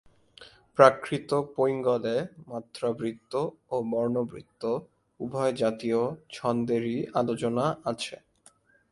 প্রাকৃতপৈঙ্গলে মাত্রাবৃত্ত ও বর্ণবৃত্ত উভয় জাতীয় ছন্দেরই আলোচনা আছে।